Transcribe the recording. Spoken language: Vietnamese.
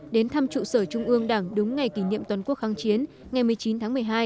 đến thăm trụ sở trung ương đảng đúng ngày kỷ niệm toàn quốc kháng chiến ngày một mươi chín tháng một mươi hai